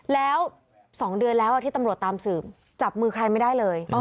แล้ว๒เดือนแล้วที่ตำรวจตามสืบจับมือใครไม่ได้เลย